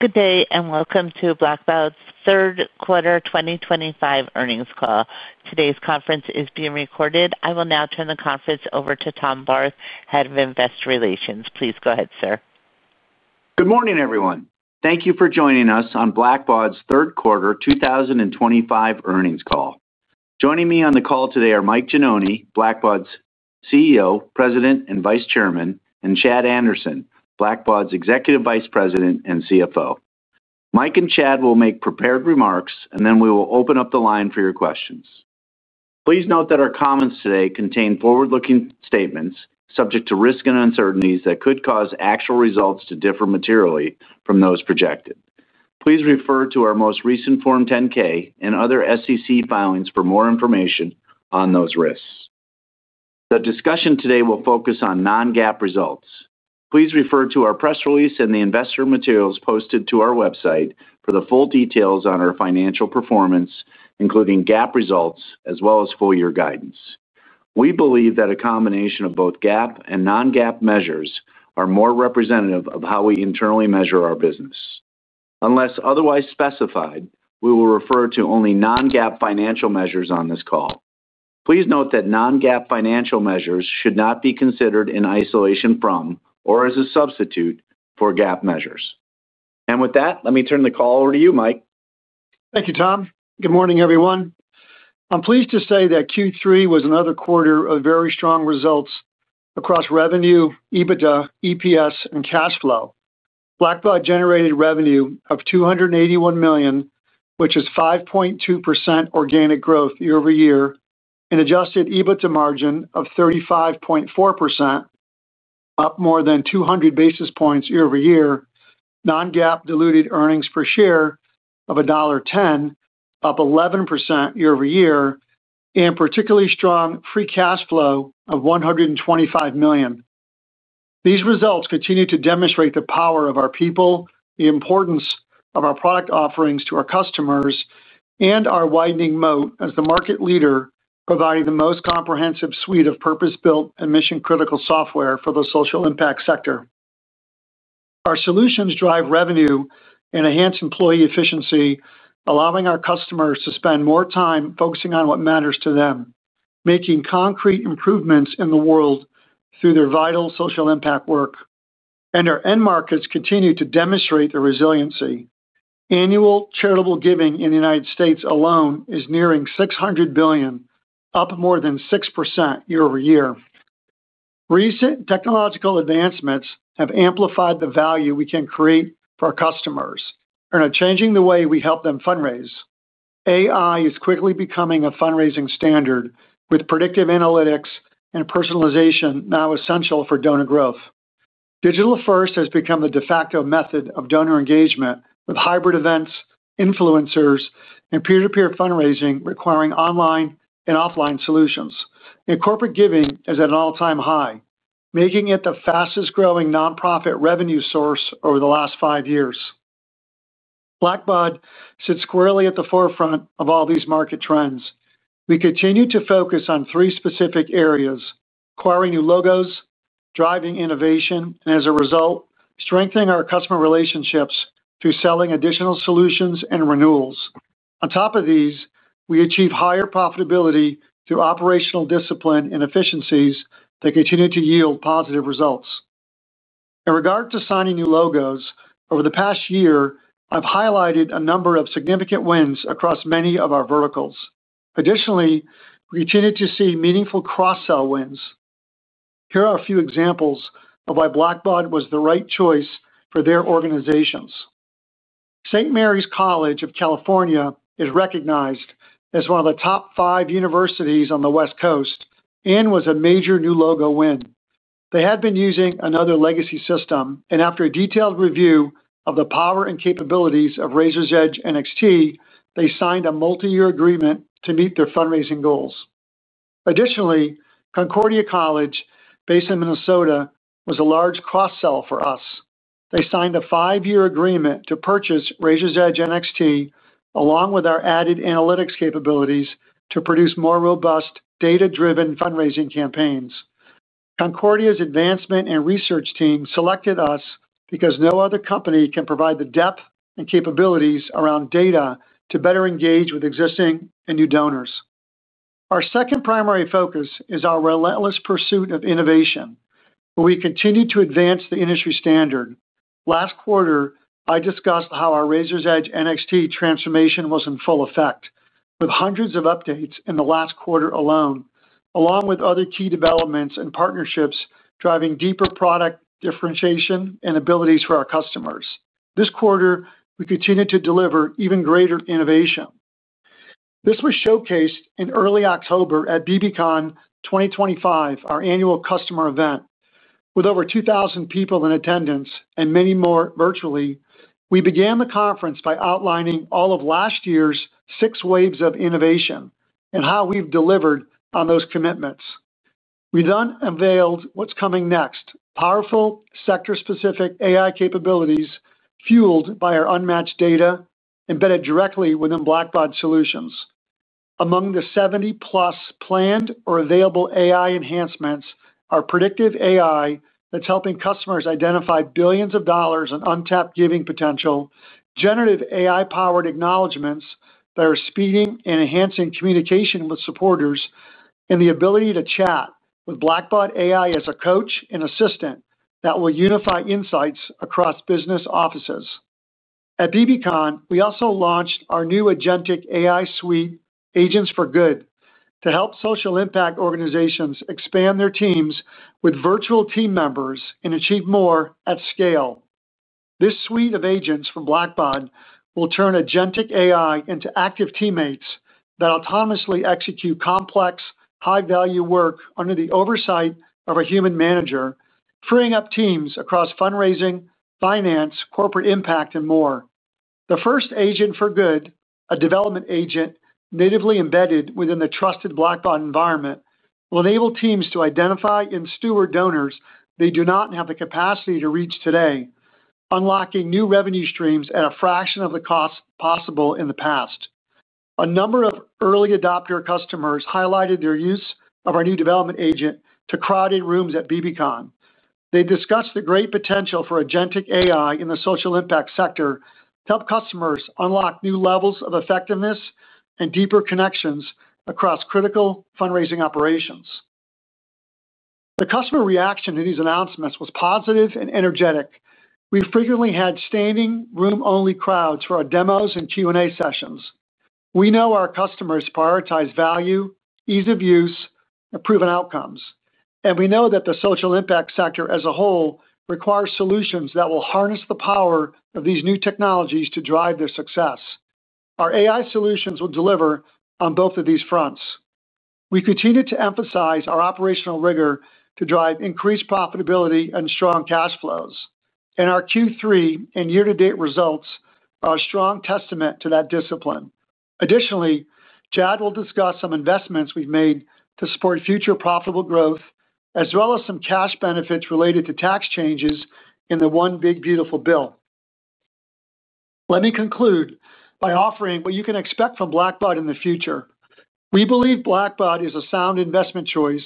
Good day and welcome to Blackbaud's third quarter 2025 earnings call. Today's conference is being recorded. I will now turn the conference over to Tom Barth, Head of Investor Relations. Please go ahead, sir. Good morning, everyone. Thank you for joining us on Blackbaud's third quarter 2025 earnings call. Joining me on the call today are Mike Gianoni, Blackbaud's CEO, President and Vice Chairman, and Chad Anderson, Blackbaud's Executive Vice President and CFO. Mike and Chad will make prepared remarks, then we will open up the line for your questions. Please note that our comments today contain forward-looking statements subject to risk and uncertainties that could cause actual results to differ materially from those projected. Please refer to our most recent Form 10-K and other SEC filings for more information on those risks. The discussion today will focus on non-GAAP results. Please refer to our press release and the investor materials posted to our website for the full details on our financial performance, including GAAP results as well as full-year guidance. We believe that a combination of both GAAP and non-GAAP measures is more representative of how we internally measure our business. Unless otherwise specified, we will refer to only non-GAAP financial measures on this call. Please note that non-GAAP financial measures should not be considered in isolation from or as a substitute for GAAP measures. With that, let me turn the call over to you, Mike. Thank you, Tom. Good morning, everyone. I'm pleased to say that Q3 was another quarter of very strong results across revenue, EBITDA, EPS, and cash flow. Blackbaud generated revenue of $281 million, which is 5.2% organic growth year-over-year, an adjusted EBITDA margin of 35.4%, up more than 200 basis points year-over-year, non-GAAP diluted earnings per share of $1.10, up 11% year-over-year, and particularly strong free cash flow of $125 million. These results continue to demonstrate the power of our people, the importance of our product offerings to our customers, and our widening moat as the market leader, providing the most comprehensive suite of purpose-built and mission-critical software for the social impact sector. Our solutions drive revenue and enhance employee efficiency, allowing our customers to spend more time focusing on what matters to them, making concrete improvements in the world through their vital social impact work. Our end markets continue to demonstrate their resiliency. Annual charitable giving in the U.S. alone is nearing $600 billion, up more than 6% year-over-year. Recent technological advancements have amplified the value we can create for our customers and are changing the way we help them fundraise. AI is quickly becoming a fundraising standard with predictive analytics and personalization now essential for donor growth. Digital first has become the de facto method of donor engagement with hybrid events, influencers, and peer-to-peer fundraising requiring online and offline solutions. Corporate giving is at an all-time high, making it the fastest growing nonprofit revenue source over the last five years. Blackbaud sits squarely at the forefront of all these market trends. We continue to focus on three specific areas: acquiring new logos, driving innovation, and as a result, strengthening our customer relationships through selling additional solutions and renewals. On top of these, we achieve higher profitability through operational discipline and efficiencies that continue to yield positive results. In regard to signing new logos, over the past year, I've highlighted a number of significant wins across many of our verticals. We continue to see meaningful cross-sell wins. Here are a few examples of why Blackbaud was the right choice for their organizations. St. Mary’s College of California is recognized as one of the top five universities on the West Coast and was a major new logo win. They had been using another legacy system, and after a detailed review of the power and capabilities of Raiser's Edge NXT, they signed a multi-year agreement to meet their fundraising goals. Additionally, Concordia College based in Minnesota was a large cross-seller for us. They signed a five-year agreement to purchase Raiser's Edge NXT, along with our added analytics capabilities to produce more robust data-driven fundraising campaigns. Concordia's advancement and research team selected us because no other company can provide the depth and capabilities around data to better engage with existing and new donors. Our second primary focus is our relentless pursuit of innovation, where we continue to advance the industry standard. Last quarter, I discussed how our Raiser's Edge NXT transformation was in full effect, with hundreds of updates in the last quarter alone, along with other key developments and partnerships driving deeper product differentiation and abilities for our customers. This quarter, we continue to deliver even greater innovation. This was showcased in early October at bbcon 2025, our annual customer event. With over 2,000 people in attendance and many more virtually, we began the conference by outlining all of last year's six waves of innovation and how we've delivered on those commitments. We then unveiled what's coming next: powerful sector-specific AI capabilities fueled by our unmatched data embedded directly within Blackbaud Solutions. Among the 70+ planned or available AI enhancements are predictive AI that's helping customers identify billions of dollars in untapped giving potential, generative AI-powered acknowledgements that are speeding and enhancing communication with supporters, and the ability to chat with Blackbaud AI as a coach and assistant that will unify insights across business offices. At bbcon, we also launched our new agentic AI suite, Agents for Good, to help social impact organizations expand their teams with virtual team members and achieve more at scale. This suite of agents from Blackbaud will turn agentic AI into active teammates that autonomously execute complex, high-value work under the oversight of a human manager, freeing up teams across fundraising, finance, corporate impact, and more. The first Agents for Good, a development agent natively embedded within the trusted Blackbaud environment, will enable teams to identify and steward donors they do not have the capacity to reach today, unlocking new revenue streams at a fraction of the cost possible in the past. A number of early adopter customers highlighted their use of our new development agent to crowded rooms at bbcon 2025. They discussed the great potential for agentic AI in the social impact sector to help customers unlock new levels of effectiveness and deeper connections across critical fundraising operations. The customer reaction to these announcements was positive and energetic. We frequently had standing room-only crowds for our demos and Q&A sessions. We know our customers prioritize value, ease of use, and proven outcomes. We know that the social impact sector as a whole requires solutions that will harness the power of these new technologies to drive their success. Our AI solutions will deliver on both of these fronts. We continue to emphasize our operational rigor to drive increased profitability and strong cash flows. Our Q3 and year-to-date results are a strong testament to that discipline. Additionally, Chad will discuss some investments we've made to support future profitable growth, as well as some cash benefits related to tax changes in the One Big Beautiful Bill. Let me conclude by offering what you can expect from Blackbaud in the future. We believe Blackbaud is a sound investment choice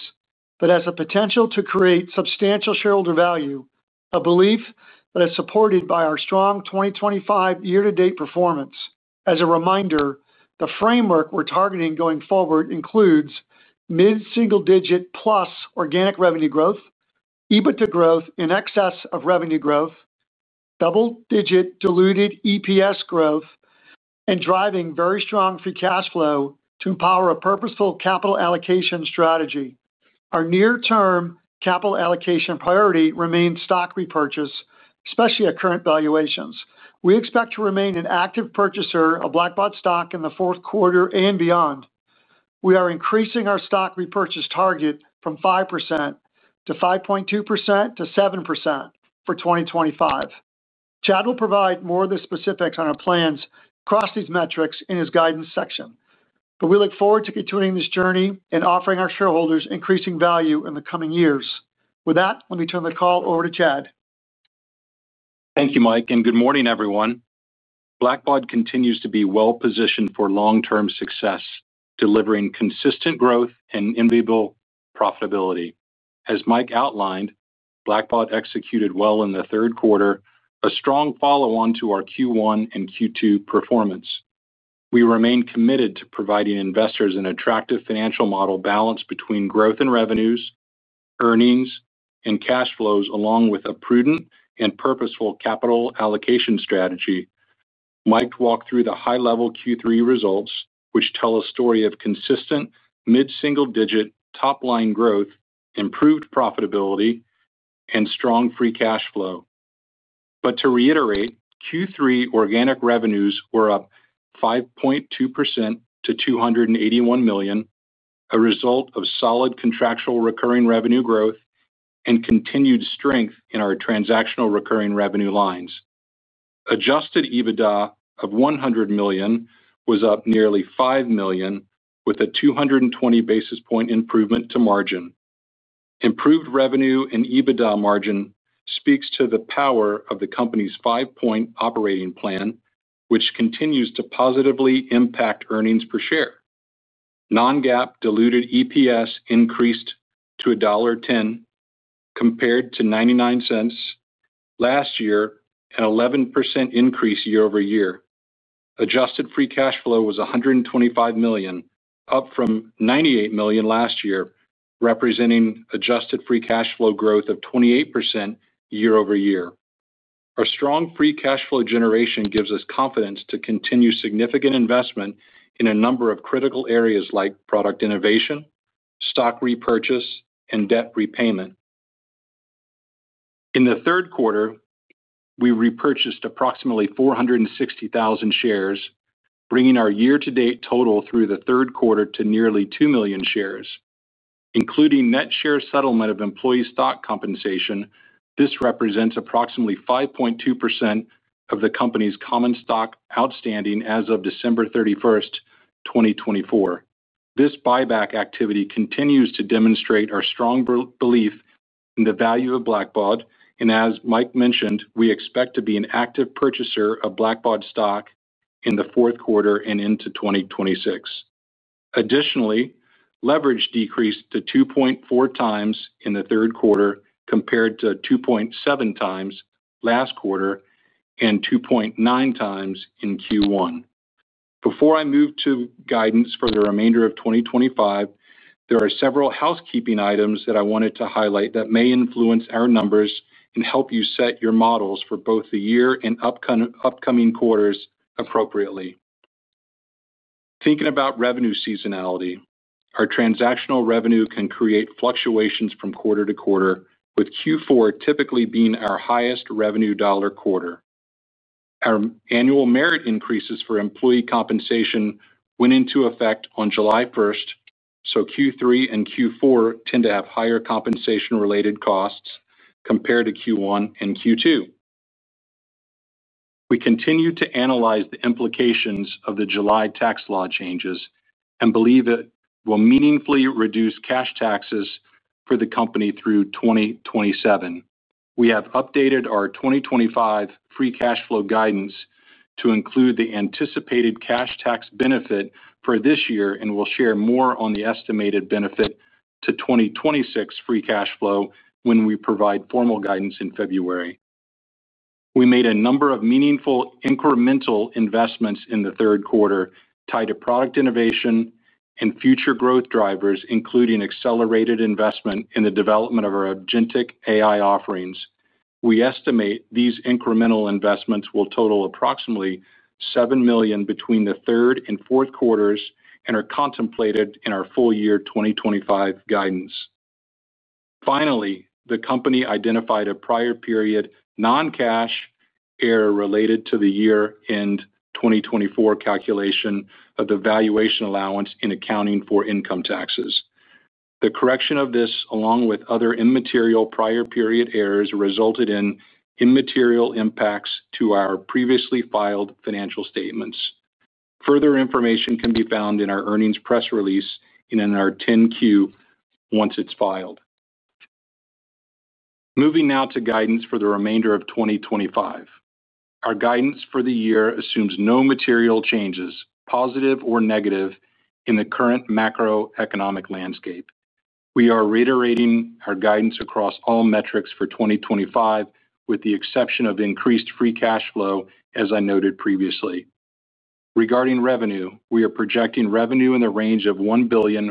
that has the potential to create substantial shareholder value, a belief that is supported by our strong 2025 year-to-date performance. As a reminder, the framework we're targeting going forward includes mid-single-digit plus organic revenue growth, EBITDA growth in excess of revenue growth, double-digit diluted EPS growth, and driving very strong free cash flow to empower a purposeful capital allocation strategy. Our near-term capital allocation priority remains stock repurchase, especially at current valuations. We expect to remain an active purchaser of Blackbaud stock in the fourth quarter and beyond. We are increasing our stock repurchase target from 5% to 5.2% to 7% for 2025. Chad will provide more of the specifics on our plans across these metrics in his guidance section. We look forward to continuing this journey and offering our shareholders increasing value in the coming years. With that, let me turn the call over to Chad. Thank you, Mike, and good morning, everyone. Blackbaud continues to be well-positioned for long-term success, delivering consistent growth and visible profitability. As Mike outlined, Blackbaud executed well in the third quarter, a strong follow-on to our Q1 and Q2 performance. We remain committed to providing investors an attractive financial model balanced between growth and revenues, earnings, and cash flows, along with a prudent and purposeful capital allocation strategy. Mike walked through the high-level Q3 results, which tell a story of consistent mid-single-digit top-line growth, improved profitability, and strong free cash flow. To reiterate, Q3 organic revenues were up 5.2% to $281 million, a result of solid contractual recurring revenue growth and continued strength in our transactional recurring revenue lines. Adjusted EBITDA of $100 million was up nearly $5 million, with a 220 basis point improvement to margin. Improved revenue and EBITDA margin speak to the power of the company's five-point operating plan, which continues to positively impact earnings per share. Non-GAAP diluted EPS increased to $1.10 compared to $0.99 last year, an 11% increase year-over-year. Adjusted free cash flow was $125 million, up from $98 million last year, representing adjusted free cash flow growth of 28% year-over-year. Our strong free cash flow generation gives us confidence to continue significant investment in a number of critical areas like product innovation, stock repurchases, and debt repayment. In the third quarter, we repurchased approximately 460,000 shares, bringing our year-to-date total through the third quarter to nearly 2 million shares. Including net share settlement of employee stock compensation, this represents approximately 5.2% of the company's common stock outstanding as of December 31st, 2024. This buyback activity continues to demonstrate our strong belief in the value of Blackbaud, and as Mike mentioned, we expect to be an active purchaser of Blackbaud stock in the fourth quarter and into 2026. Additionally, leverage decreased to 2.4x in the third quarter compared to 2.7x last quarter and 2.9x in Q1. Before I move to guidance for the remainder of 2025, there are several housekeeping items that I wanted to highlight that may influence our numbers and help you set your models for both the year and upcoming quarters appropriately. Thinking about revenue seasonality, our transactional revenue can create fluctuations from quarter to quarter, with Q4 typically being our highest revenue dollar quarter. Our annual merit increases for employee compensation went into effect on July 1, so Q3 and Q4 tend to have higher compensation-related costs compared to Q1 and Q2. We continue to analyze the implications of the July tax law changes and believe it will meaningfully reduce cash taxes for the company through 2027. We have updated our 2025 free cash flow guidance to include the anticipated cash tax benefit for this year, and we'll share more on the estimated benefit to 2026 free cash flow when we provide formal guidance in February. We made a number of meaningful incremental investments in the third quarter tied to product innovation and future growth drivers, including accelerated investment in the development of our agentic AI offerings. We estimate these incremental investments will total approximately $7 million between the third and fourth quarters and are contemplated in our full year 2025 guidance. Finally, the company identified a prior period non-cash error related to the year-end 2024 calculation of the valuation allowance in accounting for income taxes. The correction of this, along with other immaterial prior period errors, resulted in immaterial impacts to our previously filed financial statements. Further information can be found in our earnings press release and in our 10-Q once it's filed. Moving now to guidance for the remainder of 2025. Our guidance for the year assumes no material changes, positive or negative, in the current macroeconomic landscape. We are reiterating our guidance across all metrics for 2025, with the exception of increased free cash flow, as I noted previously. Regarding revenue, we are projecting revenue in the range of $1,120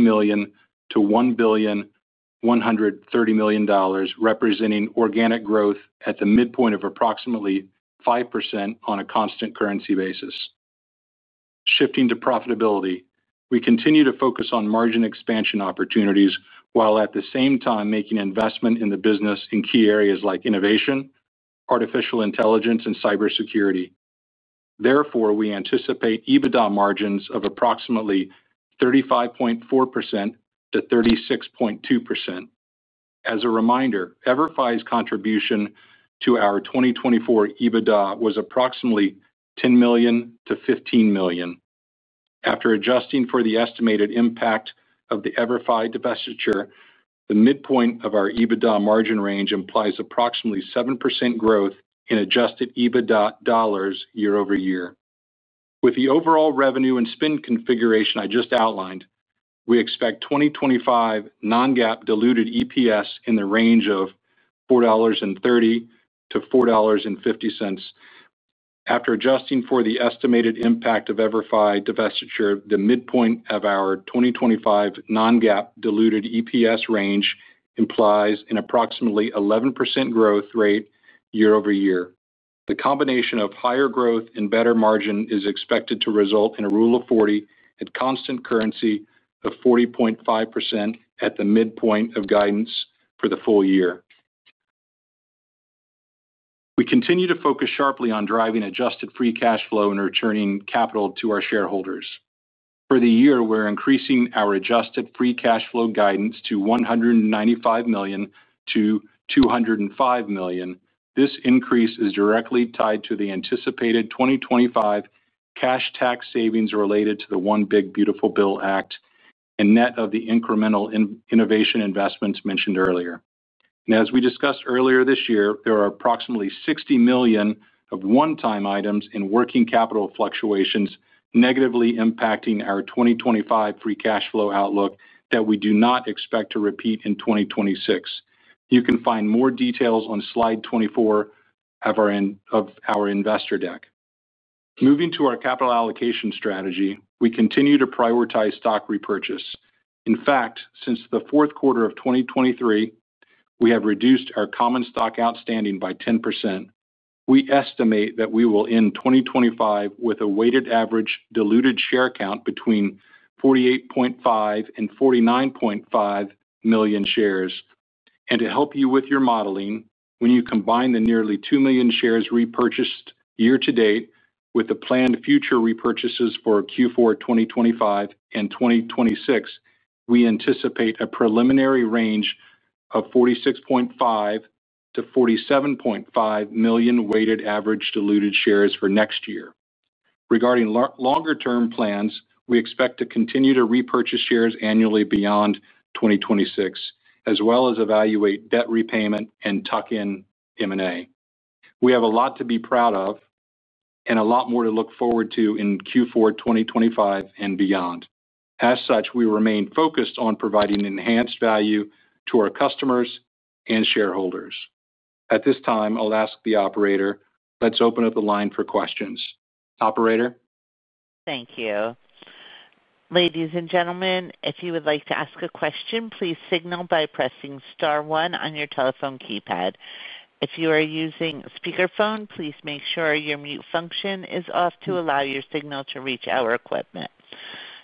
million-$1,130 million, representing organic growth at the midpoint of approximately 5% on a constant currency basis. Shifting to profitability, we continue to focus on margin expansion opportunities while at the same time making investment in the business in key areas like innovation, artificial intelligence, and cybersecurity. Therefore, we anticipate EBITDA margins of approximately 35.4%-36.2%. As a reminder, EVERFI's contribution to our 2024 EBITDA was approximately $10 million-$15 million. After adjusting for the estimated impact of the EVERFI divestiture, the midpoint of our EBITDA margin range implies approximately 7% growth in adjusted EBITDA dollars year over year. With the overall revenue and spend configuration I just outlined, we expect 2025 non-GAAP diluted EPS in the range of $4.30-$4.50. After adjusting for the estimated impact of EVERFI divestiture, the midpoint of our 2025 non-GAAP diluted EPS range implies an approximately 11% growth rate year over year. The combination of higher growth and better margin is expected to result in a rule of 40 at constant currency of 40.5% at the midpoint of guidance for the full year. We continue to focus sharply on driving adjusted free cash flow and returning capital to our shareholders. For the year, we're increasing our adjusted free cash flow guidance to $195 million-$205 million. This increase is directly tied to the anticipated 2025 cash tax savings related to the One Big Beautiful Bill Act and net of the incremental innovation investments mentioned earlier. As we discussed earlier this year, there are approximately $60 million of one-time items in working capital fluctuations negatively impacting our 2025 free cash flow outlook that we do not expect to repeat in 2026. You can find more details on slide 24 of our investor deck. Moving to our capital allocation strategy, we continue to prioritize stock repurchase. In fact, since the fourth quarter of 2023, we have reduced our common stock outstanding by 10%. We estimate that we will end 2025 with a weighted average diluted share count between 48.5 million and 49.5 million shares. To help you with your modeling, when you combine the nearly 2 million shares repurchased year to date with the planned future repurchases for Q4 2025 and 2026, we anticipate a preliminary range of 46.5 million-47.5 million weighted average diluted shares for next year. Regarding longer-term plans, we expect to continue to repurchase shares annually beyond 2026, as well as evaluate debt repayment and tuck in M&A. We have a lot to be proud of and a lot more to look forward to in Q4 2025 and beyond. As such, we remain focused on providing enhanced value to our customers and shareholders. At this time, I'll ask the operator, let's open up the line for questions. Operator? Thank you. Ladies and gentlemen, if you would like to ask a question, please signal by pressing star one on your telephone keypad. If you are using speakerphone, please make sure your mute function is off to allow your signal to reach our equipment.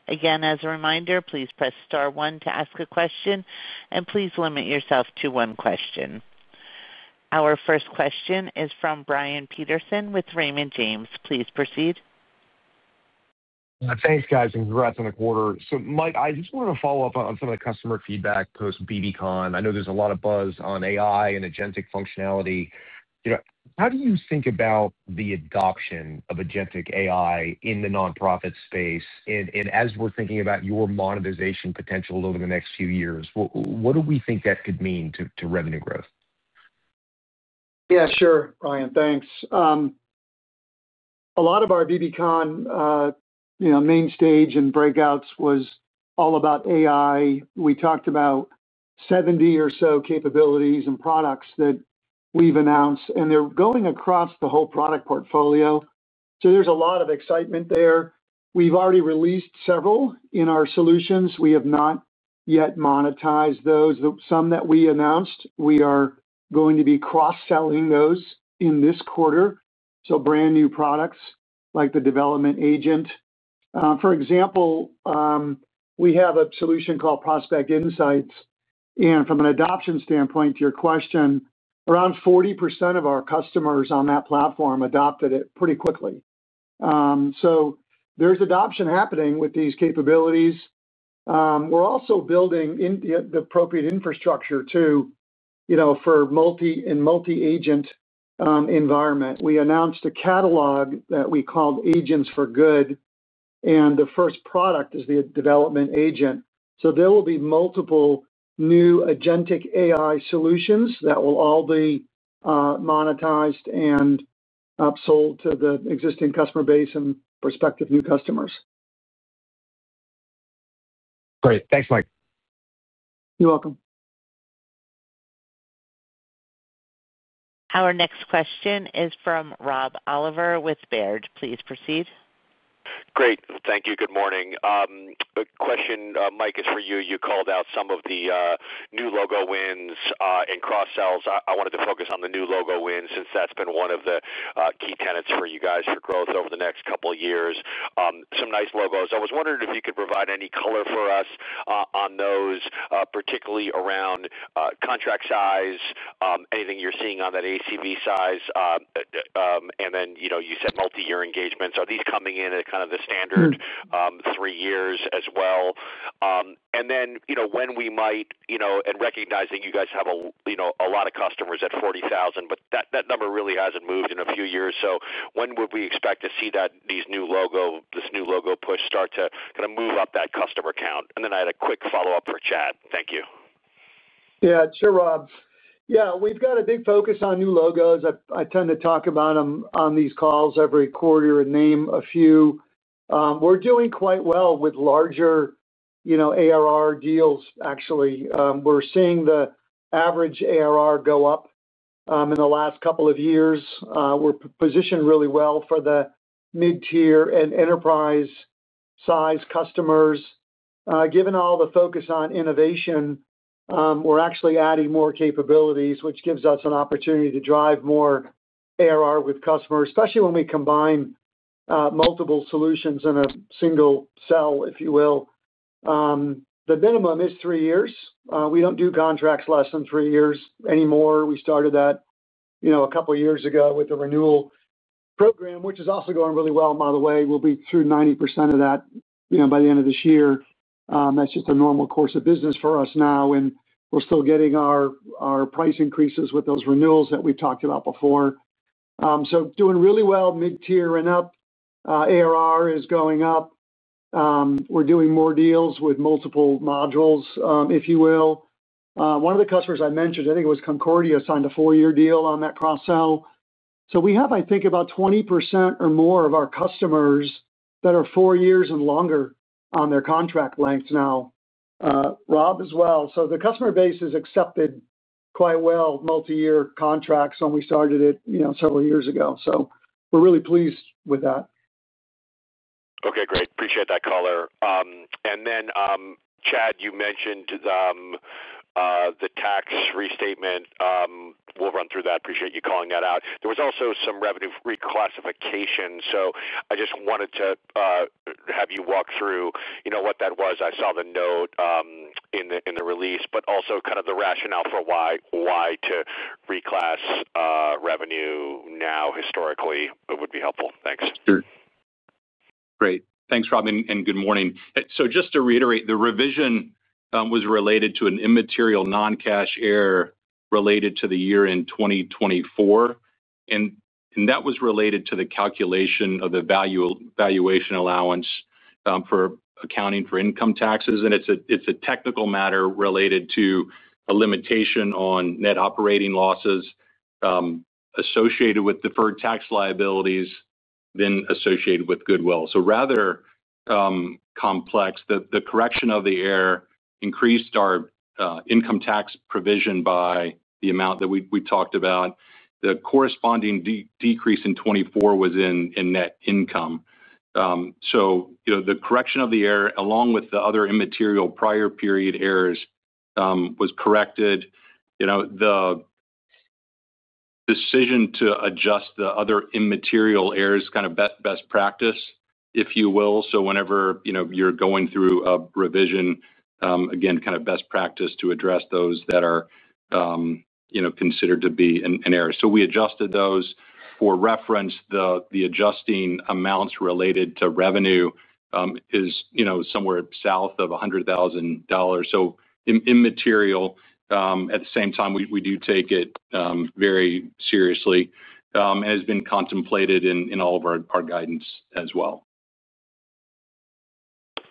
Again, as a reminder, please press star one to ask a question, and please limit yourself to one question. Our first question is from Brian Peterson with Raymond James. Please proceed. Thanks, guys. Thank you for asking the quarter. Mike, I just wanted to follow up on some of the customer feedback post bbcon. I know there's a lot of buzz on AI and agentic functionality. How do you think about the adoption of agentic AI in the nonprofit space? As we're thinking about your monetization potential over the next few years, what do we think that could mean to revenue growth? Yeah, sure, Brian. Thanks. A lot of our bbcon, you know, main stage and breakouts was all about AI. We talked about 70 or so capabilities and products that we've announced, and they're going across the whole product portfolio. There's a lot of excitement there. We've already released several in our solutions. We have not yet monetized those. Some that we announced, we are going to be cross-selling those in this quarter. Brand new products like the development agent, for example, we have a solution called Prospect Insights. From an adoption standpoint to your question, around 40% of our customers on that platform adopted it pretty quickly, so there's adoption happening with these capabilities. We're also building the appropriate infrastructure, you know, for a multi-agent environment. We announced a catalog that we called Agents for Good, and the first product is the development agent. There will be multiple new agentic AI solutions that will all be monetized and sold to the existing customer base and prospective new customers. Great. Thanks, Mike. You're welcome. Our next question is from Rob Oliver with Baird. Please proceed. Great. Thank you. Good morning. A question, Mike, is for you. You called out some of the new logo wins and cross-sells. I wanted to focus on the new logo wins since that's been one of the key tenets for you guys for growth over the next couple of years. Some nice logos. I was wondering if you could provide any color for us on those, particularly around contract size, anything you're seeing on that ACV size. You said multi-year engagements. Are these coming in at kind of the standard three years as well? When we might, and recognizing you guys have a lot of customers at 40,000, but that number really hasn't moved in a few years. When would we expect to see that this new logo push start to kind of move up that customer count? I had a quick follow-up for Chad. Thank you. Yeah, sure, Rob. We've got a big focus on new logos. I tend to talk about them on these calls every quarter and name a few. We're doing quite well with larger, you know, ARR deals, actually. We're seeing the average ARR go up in the last couple of years. We're positioned really well for the mid-tier and enterprise size customers. Given all the focus on innovation, we're actually adding more capabilities, which gives us an opportunity to drive more ARR with customers, especially when we combine multiple solutions in a single sale, if you will. The minimum is three years. We don't do contracts less than three years anymore. We started that, you know, a couple of years ago with the renewal program, which is also going really well. By the way, we'll be through 90% of that by the end of this year. That's just a normal course of business for us now. We're still getting our price increases with those renewals that we've talked about before. Doing really well mid-tier and up. ARR is going up. We're doing more deals with multiple modules, if you will. One of the customers I mentioned, I think it was Concordia College, signed a four-year deal on that cross-sell. We have, I think, about 20% or more of our customers that are four years and longer on their contract length now, Rob, as well. The customer base has accepted quite well multi-year contracts when we started it several years ago. We're really pleased with that. Okay, great. Appreciate that color. Chad, you mentioned the tax restatement. We'll run through that. Appreciate you calling that out. There was also some revenue reclassification. I just wanted to have you walk through what that was. I saw the note in the release, but also the rationale for why to reclass revenue now historically. It would be helpful. Thanks. Sure. Great. Thanks, Rob, and good morning. Just to reiterate, the revision was related to an immaterial non-cash error related to the year in 2024. That was related to the calculation of the valuation allowance for accounting for income taxes. It's a technical matter related to a limitation on net operating losses associated with deferred tax liabilities, then associated with goodwill. Rather complex, the correction of the error increased our income tax provision by the amount that we talked about. The corresponding decrease in 2024 was in net income. The correction of the error, along with the other immaterial prior period errors, was corrected. The decision to adjust the other immaterial errors is kind of best practice, if you will. Whenever you're going through a revision, again, kind of best practice to address those that are considered to be an error. We adjusted those. For reference, the adjusting amounts related to revenue is somewhere south of $100,000. So immaterial, at the same time, we do take it very seriously. It has been contemplated in all of our guidance as well.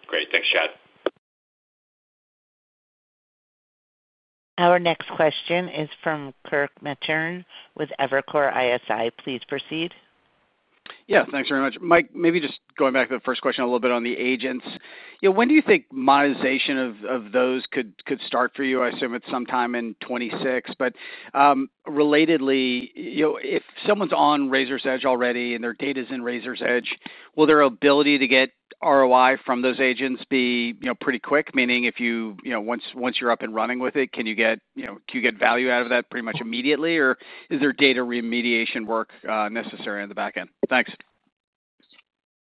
Great. Thanks, Chad. Our next question is from Kirk Materne with Evercore ISI. Please proceed. Yeah, thanks very much. Mike, maybe just going back to the first question a little bit on the agents. When do you think monetization of those could start for you? I assume it's sometime in 2026. Relatedly, if someone's on Raiser's Edge already and their data's in Raiser's Edge will their ability to get ROI from those agents be pretty quick? Meaning, once you're up and running with it, can you get value out of that pretty much immediately, or is there data remediation work necessary on the backend? Thanks.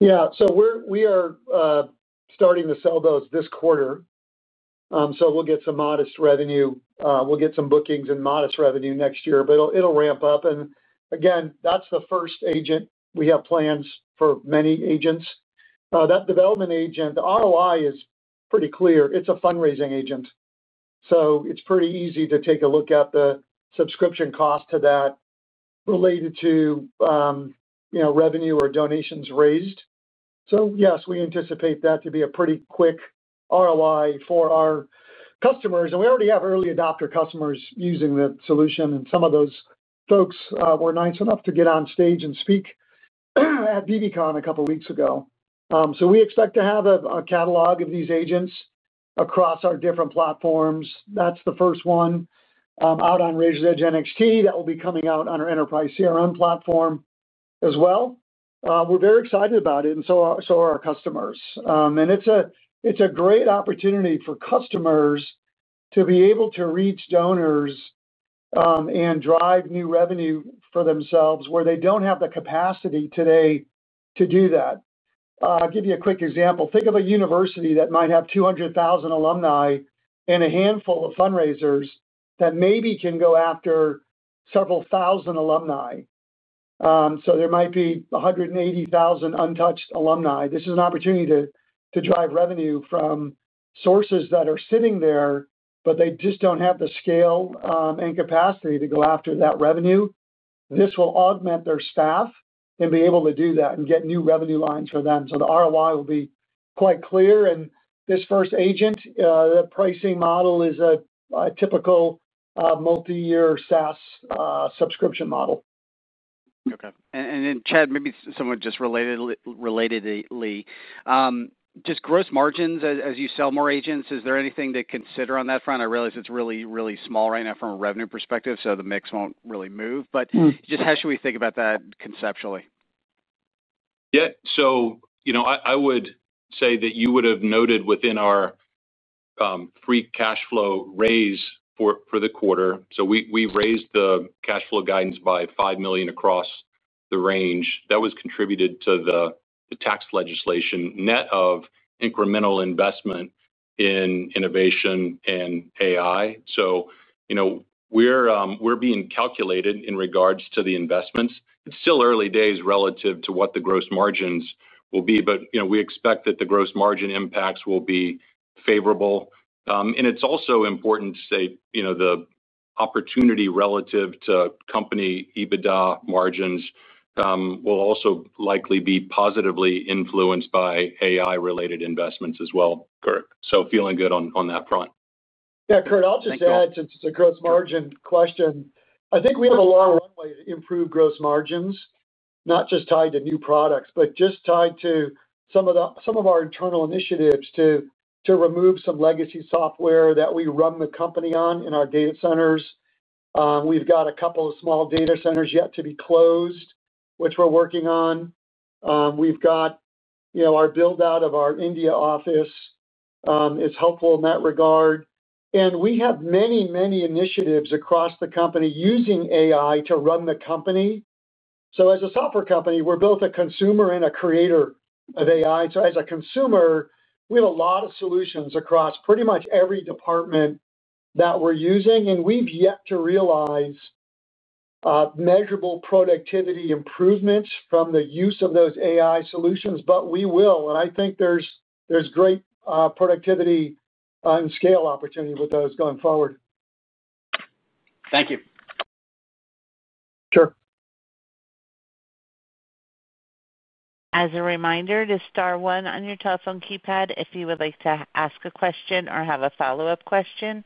Yeah, so we are starting to sell those this quarter. We'll get some modest revenue. We'll get some bookings and modest revenue next year, but it'll ramp up. That's the first agent. We have plans for many agents. That development agent, the ROI is pretty clear. It's a fundraising agent, so it's pretty easy to take a look at the subscription cost to that related to, you know, revenue or donations raised. Yes, we anticipate that to be a pretty quick ROI for our customers. We already have early adopter customers using the solution, and some of those folks were nice enough to get on stage and speak at bbcon a couple of weeks ago. We expect to have a catalog of these agents across our different platforms. That's the first one out on Raiser's Edge NXT. That will be coming out on our enterprise CRM platform as well. We're very excited about it, and so are our customers. It's a great opportunity for customers to be able to reach donors and drive new revenue for themselves where they don't have the capacity today to do that. I'll give you a quick example. Think of a university that might have 200,000 alumni and a handful of fundraisers that maybe can go after several thousand alumni. There might be 180,000 untouched alumni. This is an opportunity to drive revenue from sources that are sitting there, but they just don't have the scale and capacity to go after that revenue. This will augment their staff and be able to do that and get new revenue lines for them. The ROI will be quite clear. This first agent, the pricing model is a typical multi-year SaaS subscription model. Okay. Chad, maybe somewhat just relatedly, just gross margins as you sell more agents. Is there anything to consider on that front? I realize it's really, really small right now from a revenue perspective, so the mix won't really move. Just how should we think about that conceptually? Yeah. I would say that you would have noted within our free cash flow raise for the quarter. We raised the cash flow guidance by $5 million across the range. That was contributed to the tax legislation net of incremental investment in innovation and AI. We're being calculated in regards to the investments. It's still early days relative to what the gross margins will be, but we expect that the gross margin impacts will be favorable. It's also important to say the opportunity relative to company EBITDA margins will also likely be positively influenced by AI-related investments as well, Kirk. Feeling good on that front. Yeah, Kirk, I'll just add to the gross margin question. I think we have a long runway to improve gross margins, not just tied to new products, but just tied to some of our internal initiatives to remove some legacy software that we run the company on in our data centers. We've got a couple of small data centers yet to be closed, which we're working on. We've got our build-out of our India office. It's helpful in that regard. We have many, many initiatives across the company using AI to run the company. As a software company, we're both a consumer and a creator of AI. As a consumer, we have a lot of solutions across pretty much every department that we're using. We've yet to realize measurable productivity improvements from the use of those AI solutions, but we will. I think there's great productivity and scale opportunity with those going forward. Thank you. Sure. As a reminder, press star one on your telephone keypad if you would like to ask a question or have a follow-up question.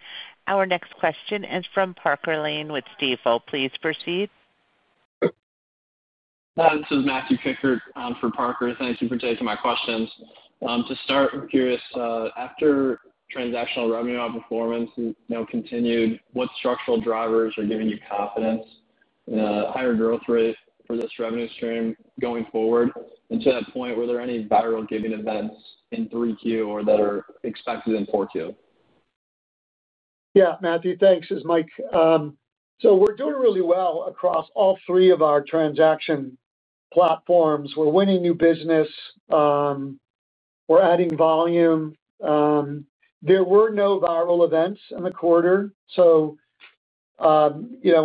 Our next question is from Parker Lane with Stifel, please proceed. Hi, this is Matthew Kikkert for Parker. Thank you for taking my questions. To start, I'm curious, after transactional revenue outperformance continued, what structural drivers are giving you confidence in a higher growth rate for this revenue stream going forward? To that point, were there any viral giving events in 3Q or that are expected in 4Q? Yeah, Matthew, thanks. This is Mike. We're doing really well across all three of our transaction platforms. We're winning new business, we're adding volume, and there were no viral events in the quarter.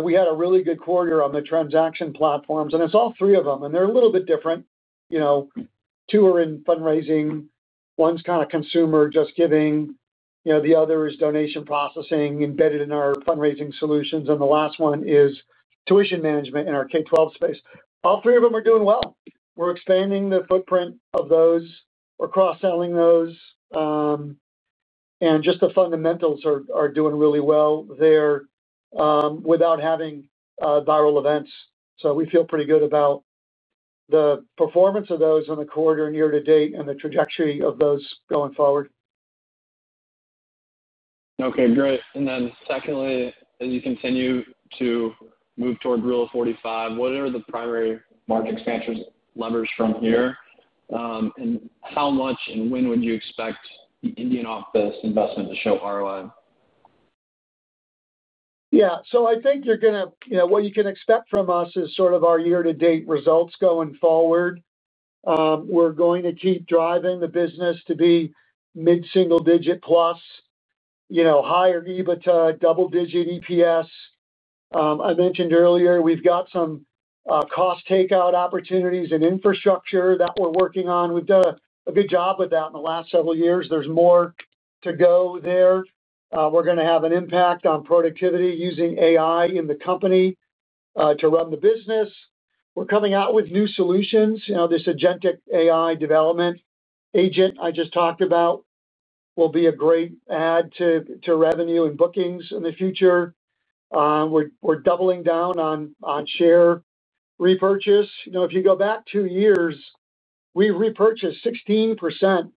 We had a really good quarter on the transaction platforms. It's all three of them, and they're a little bit different. Two are in fundraising, one's kind of consumer, JustGiving, the other is donation processing embedded in our fundraising solutions, and the last one is tuition management in our K-12 space. All three of them are doing well. We're expanding the footprint of those, we're cross-selling those, and just the fundamentals are doing really well there, without having viral events. We feel pretty good about the performance of those in the quarter and year to date and the trajectory of those going forward. Okay, great. Secondly, as you continue to move toward Rule 45, what are the primary market expansion levers from here, and how much and when would you expect the India office investment to show ROI? Yeah, so I think you're going to, you know, what you can expect from us is sort of our year-to-date results going forward. We're going to keep driving the business to be mid-single-digit plus, you know, higher EBITDA, double-digit EPS. I mentioned earlier, we've got some cost takeout opportunities and infrastructure that we're working on. We've done a good job with that in the last several years. There's more to go there. We're going to have an impact on productivity using AI in the company to run the business. We're coming out with new solutions. You know, this agentic AI development agent I just talked about will be a great add to revenue and bookings in the future. We're doubling down on share repurchase. You know, if you go back two years, we repurchased 16%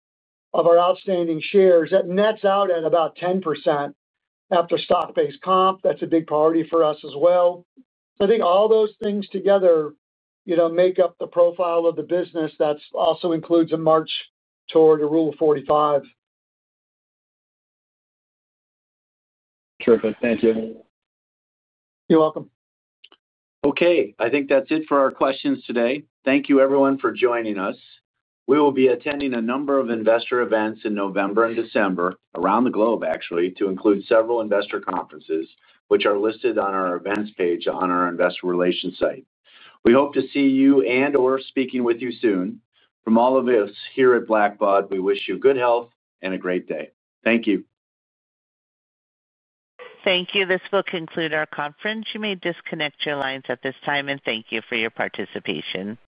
of our outstanding shares. That nets out at about 10% after stock-based comp. That's a big priority for us as well. I think all those things together, you know, make up the profile of the business. That also includes a march toward a Rule 45. Terrific. Thank you. You're welcome. Okay, I think that's it for our questions today. Thank you, everyone, for joining us. We will be attending a number of investor events in November and December around the globe, actually, to include several investor conferences, which are listed on our events page on our investor relations site. We hope to see you and/or speaking with you soon. From all of us here at Blackbaud, we wish you good health and a great day. Thank you. Thank you. This will conclude our conference. You may disconnect your lines at this time, and thank you for your participation.